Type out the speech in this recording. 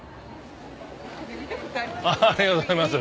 ありがとうございます